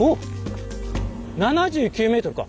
７９ｍか？